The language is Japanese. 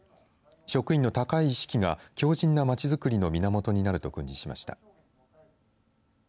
職員の高い意識が強じんな街づくりの源になると訓示しました。